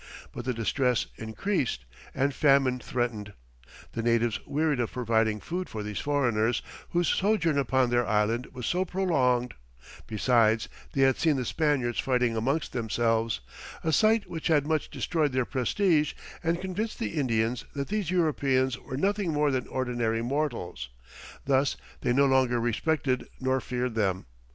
But the distress increased, and famine threatened. The natives wearied of providing food for these foreigners, whose sojourn upon their island was so prolonged; besides, they had seen the Spaniards fighting amongst themselves, a sight which had much destroyed their prestige, and convinced the Indians that these Europeans were nothing more than ordinary mortals; thus, they no longer respected nor feared them.